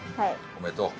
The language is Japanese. おめでとう。